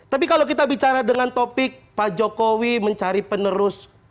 tapi kalau kita bicara dengan topik pak jokowi mencari penerus